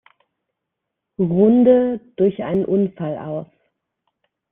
Runde durch einen Unfall aus.